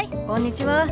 こんにちは。